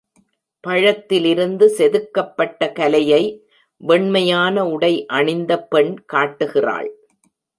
பழத்திலிருந்து செதுக்கப்பட்ட கலையை வெண்மையான உடை அணிந்த பெண் காட்டுகிறாள்.